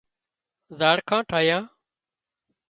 زاڙکان ٺاهيان